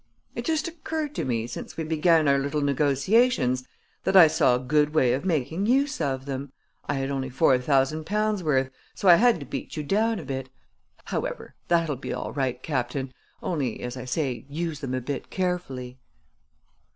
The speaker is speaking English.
It just occurred to me, since we began our little negotiations, that I saw a good way of making use of them. I had only four thousand pounds' worth; so I had to beat you down a bit. However, that'll be all right, captain, only, as I say, use them a bit carefully....